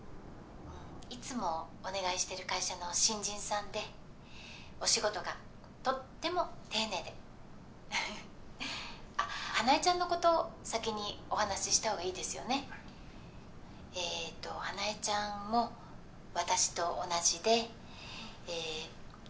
いつもお願いしてる会社の新人さんでお仕事がとっても丁寧であっ花枝ちゃんのこと先にお話ししたほうがいいですよねえと花枝ちゃんも私と同じでええ